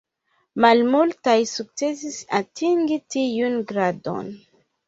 Malmultaj sukcesis atingi tiun gradon.